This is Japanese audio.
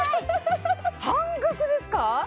半額ですか！？